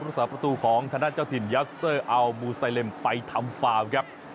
คุณพุทธศาสตร์ประตูของธนาชาติเจ้าถิ่นยัสเซอร์อัลมูไซเลมไปทำฟ้าครับ